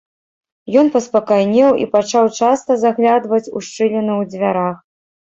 Ён паспакайнеў і пачаў часта заглядваць у шчыліну ў дзвярах.